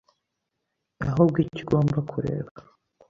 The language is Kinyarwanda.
ahubwo icyo ugomba kureba